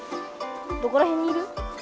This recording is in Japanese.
どこらへんにいる？